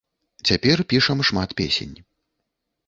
Цяпер пішам шмат песень.